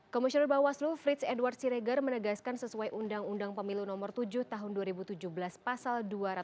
komisioner bawaslu frits edward siregar menegaskan sesuai undang undang pemilu nomor tujuh tahun dua ribu tujuh belas pasal dua ratus dua belas